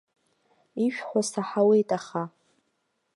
Ишәҳәо саҳауеит аха.